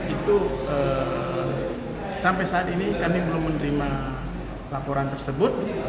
itu sampai saat ini kami belum menerima laporan tersebut